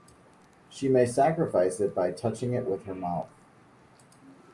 She may sacrifice it by touching it with her mouth.